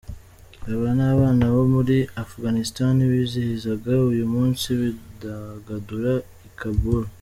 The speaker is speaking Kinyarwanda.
Aba ni abana bo muri Afghanistan bizihizaga uyu munsi bidagadura i Kaboul.